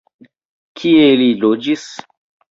Kie ili loĝis?